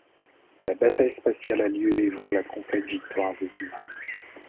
La bataille spatiale a lieu et voit la complète victoire des Humains.